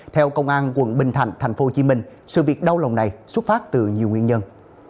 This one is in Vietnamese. theo công an quận bình thạnh tp hcm sự việc đau lòng này xuất phát từ nhiều nguyên nhân